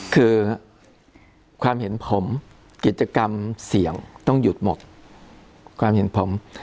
คือความเห็นผมกิจกรรมเสี่ยงต้องหยุดหมดความเห็นผม